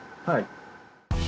はい。